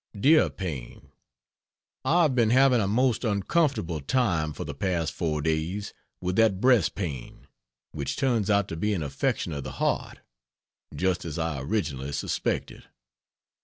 DEAR PAINE, .... I have been having a most uncomfortable time for the past 4 days with that breast pain, which turns out to be an affection of the heart, just as I originally suspected.